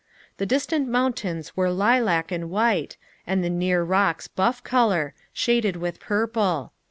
The distant mountains were lilac and white, and the near rocks buff color, shaded with purple.